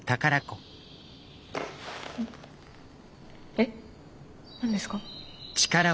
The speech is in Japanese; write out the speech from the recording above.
えっ何ですか？